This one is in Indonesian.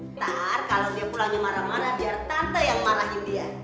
ntar kalau dia pulangnya marah marah biar tante yang marahin dia